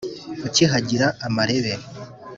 Ukihagira amarebe